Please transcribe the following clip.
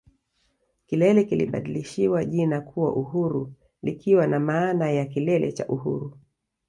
Kilele kilibadilishiwa jina kuwa Uhuru likiwa na maana ya Kilele cha Uhuru